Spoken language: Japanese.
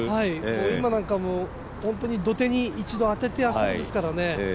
今なんか土手に一度当ててあそこですからね。